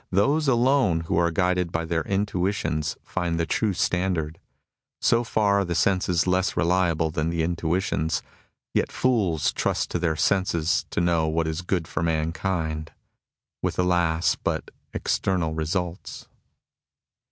Those alone who are guided by their intuitions find the true standard. So far are the senses less reliable than the intuitions. Yet fools trust to their senses to know what is good for mankind, with alas ! but external results.